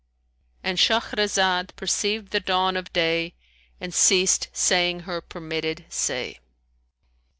"— And Shahrazad perceived the dawn of day and ceased saying her permitted say.